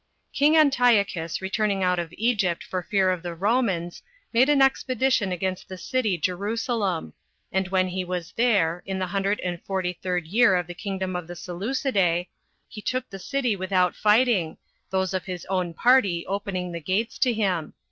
3. King Antiochus returning out of Egypt 16 for fear of the Romans, made an expedition against the city Jerusalem; and when he was there, in the hundred and forty third year of the kingdom of the Seleucidse, he took the city without fighting, those of his own party opening the gates to him.